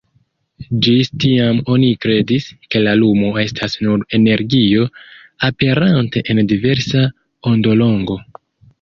Ĝis tiam oni kredis, ke la lumo estas nur energio, aperante en diversa ondolongo.